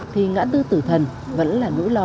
thì ngã tư tử thần vẫn là nỗi lo